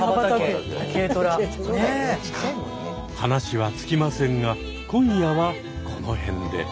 話は尽きませんが今夜はこの辺で。